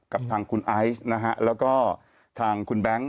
กับทางคุณไอซ์นะฮะแล้วก็ทางคุณแบงค์